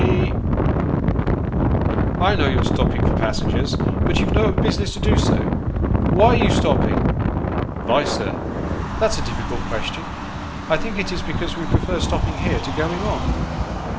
Ty." " I know you're stopping for passengers ; but you've no business to do so. Why are you stopping ?"" Vy, sir, that's a difficult question. I think it is because we perfer stopping here to going on."